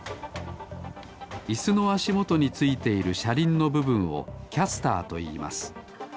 イスのあしもとについているしゃりんのぶぶんをキャスターといいます。